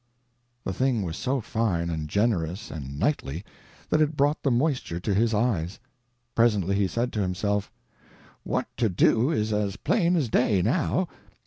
The thing was so fine and generous and knightly that it brought the moisture to his eyes. Presently he said to himself: "What to do is as plain as day, now.